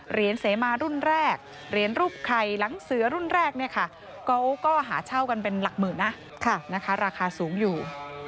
เหรียญเสมารุ่นแรกเหรียญรูปไข่หลังเสือรุ่นแรกก็หาเช่ากันเป็นหลักหมื่นนะราคาสูงอยู่